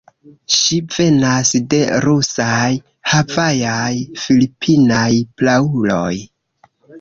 Ŝi venas de rusaj, havajaj, filipinaj prauloj.